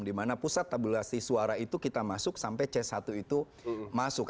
dimana pusat tabulasi suara itu kita masuk sampai c satu itu masuk